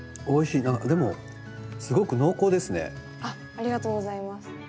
ありがとうございます。